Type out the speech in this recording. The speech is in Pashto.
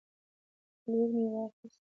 لور مې واخیست